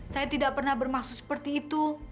saya tidak pernah bermaksud seperti itu